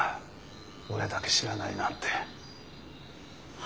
俺だけ知らないなんて。